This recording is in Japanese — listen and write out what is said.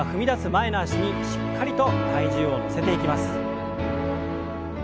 前の脚にしっかりと体重を乗せていきます。